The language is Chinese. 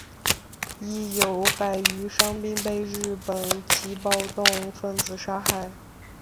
亦有百余伤兵被日本籍暴动分子杀害。